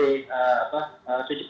maka kemudian dia memilih akbp